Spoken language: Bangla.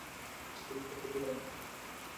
গ্যাং লিডার যা করতে বলে, আমরা তাই করি।